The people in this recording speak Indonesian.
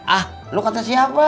ah lu kata siapa